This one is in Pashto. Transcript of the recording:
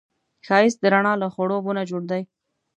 ښایست د رڼا له خړوبو نه جوړ دی